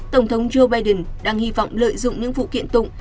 tổng thống joe biden đang hy vọng lợi dụng những vụ kiện tụng